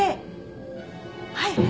はい。